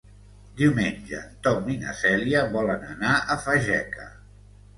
Diumenge en Tom i na Cèlia volen anar a Fageca.